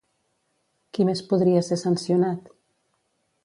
Qui més podria ser sancionat?